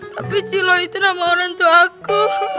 tapi cilo itu nama orang tua aku